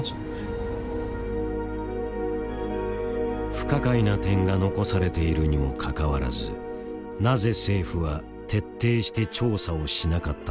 不可解な点が残されているにもかかわらずなぜ政府は徹底して調査をしなかったのか。